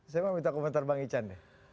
saya mau minta komentar bang ican nih